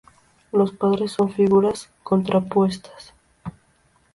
Los padres son figuras contrapuestas.